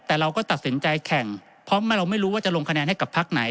แต่เราก็ตัดสินใจแข่งเพราะเราไม่รู้ว่าจะลงคะแนนให้กับพักไหน